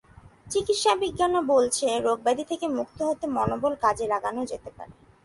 চিকিৎসাবিজ্ঞানও বলছে, রোগ-ব্যাধি থেকে মুক্ত হতে মনোবল কাজে লাগানো যেতে পারে।